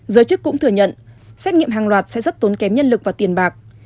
giới chức cũng thừa nhận xét nghiệm hàng loạt sẽ rất tốn kém nhân lực và tiền bạc